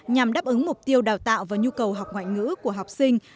nhằm đáp ứng mục tiêu đào tạo và nhu cầu học ngoại ngữ của học sinh